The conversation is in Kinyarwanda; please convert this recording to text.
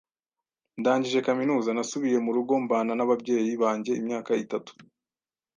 Ndangije kaminuza, nasubiye mu rugo mbana n'ababyeyi banjye imyaka itatu.